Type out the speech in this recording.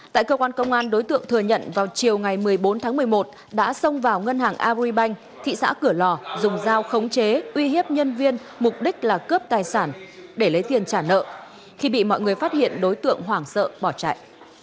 tại cơ quan công an đối tượng thừa nhận vào chiều ngày một mươi bốn tháng một mươi một đã xông vào ngân hàng agribank thị xã cửa lò dùng dao khống chế uy hiếp nhân viên mục đích là cướp tài sản để lấy tiền trả nợ khi bị mọi người phát hiện đối tượng hoảng sợ bỏ chạy